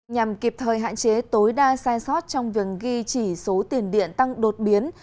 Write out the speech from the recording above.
nhằm kịp thời hạn chế tối đa sai sót trong việc ghi chỉ số tiền điện tăng đột biến